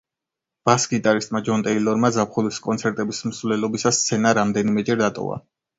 ბას გიტარისტმა ჯონ ტეილორმა ზაფხულის კონცერტების მსვლელობისას სცენა რამდენიმეჯერ დატოვა.